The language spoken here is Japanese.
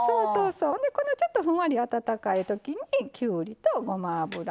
ちょっとふんわり温かいときにきゅうりとごま油を入れて。